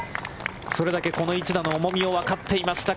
それだけこの一打の重みを分かっていました。